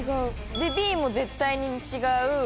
でＢも絶対に違う。